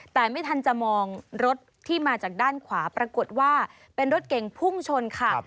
แต่ไม่ทันจะมองรถที่มาจากด้านขวาปรากฏว่าเป็นรถเก่งพุ่งชนค่ะ